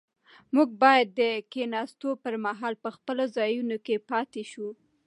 موږ باید د کښېناستو پر مهال په خپلو ځایونو کې پاتې شو.